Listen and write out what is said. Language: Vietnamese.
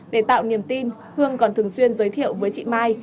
để tạo niềm tin hương còn thường xuyên giới thiệu với chị mai